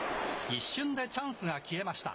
一瞬でチャンスが消えました。